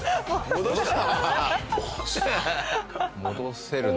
戻した。